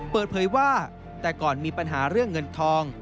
เปิดเผยว่าแต่ก่อนมีปัญหาเรื่องเงินทอง